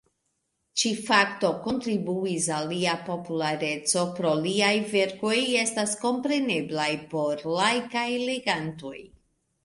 Ĉi-fakto kontribuis al lia populareco pro liaj verkoj estas komprenebla por laikaj legantoj.